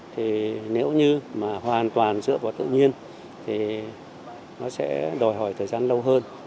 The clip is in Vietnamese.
thì nếu như mà hoàn toàn dựa vào tự nhiên thì nó sẽ đòi hỏi thời gian lâu hơn